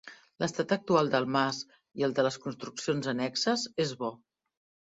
L’estat actual del mas, i el de les construccions annexes, és bo.